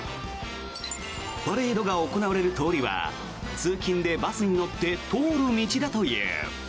パレードが行われる通りは通勤でバスに乗って通る道だという。